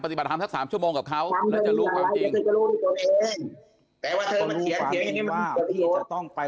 ปฏิบัติธรรมสัก๓ชั่วโมงกับเขาจะรู้ความจริงว่าพี่จะต้องไป